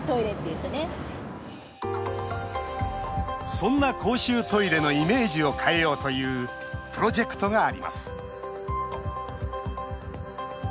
そんな公衆トイレのイメージを変えようというプロジェクトがあります。